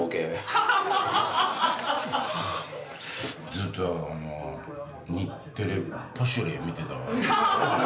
ずっと『日テレポシュレ』見てたわ。